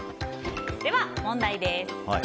では問題です。